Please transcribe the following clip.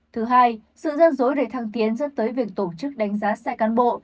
thứ hai sự gian dối để thăng tiến dẫn tới việc tổ chức đánh giá sai cán bộ